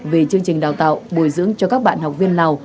về chương trình đào tạo bồi dưỡng cho các bạn học viên lào